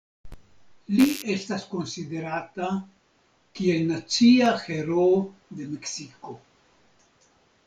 Li estas konsiderata kiel nacia heroo de Meksiko.